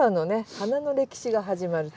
花の歴史が始まると。